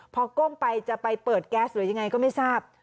พอก้มไปจะไปเปิดแก๊สหรือยังไงก็ไม่ทราบ